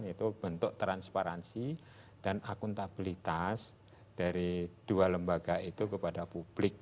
itu bentuk transparansi dan akuntabilitas dari dua lembaga itu kepada publik